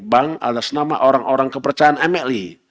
bank atas nama orang orang kepercayaan mli